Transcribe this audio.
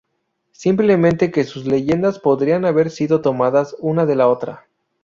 Simplemente que sus leyendas podrían haber sido tomadas una de la otra.